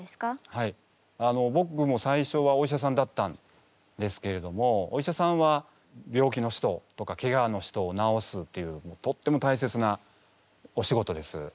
はいぼくも最初はお医者さんだったんですけれどもお医者さんは病気の人とかけがの人を治すっていうとっても大切なお仕事です。